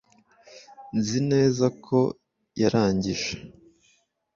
Nzi neza ko yarangije